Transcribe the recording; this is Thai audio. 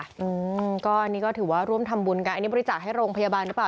อืมก็นี่ก็ถือว่าร่วมทำบุญกันอันนี้บริจาคให้โรงพยาบาลหรือเปล่า